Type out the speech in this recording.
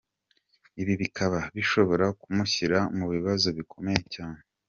Ibi bikaba bishobora kumushyira mu bibazo bikomeye cyane.